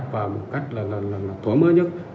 và một cách là thuở mới nhất